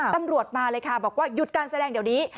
ตำรวจมาเลยค่ะบอกว่าหยุดการแสดงเดี๋ยวนี้